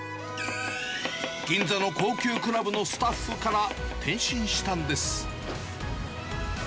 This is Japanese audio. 銀座の高級クラブのスタッフから、転身したんです。